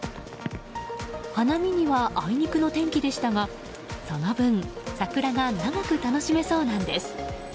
花見にはあいにくの天気でしたがその分桜が長く楽しめそうなんです。